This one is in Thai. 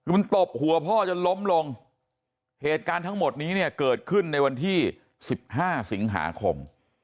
คือมันตบหัวพ่อจนล้มลงเหตุการณ์ทั้งหมดนี้เนี่ยเกิดขึ้นในวันที่๑๕สิงหาคม